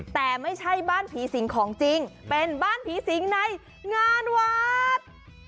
แต่ไม่ใช่บ้านผีสิงของจริงเป็นบ้านผีสิงในงานวัด